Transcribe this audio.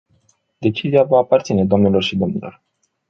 Decizia vă aparține, doamnelor și domnilor.